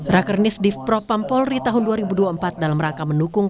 rakernis div propam polri tahun dua ribu dua puluh empat dalam rangka mendukung